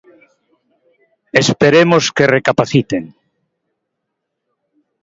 Esperemos que recapaciten.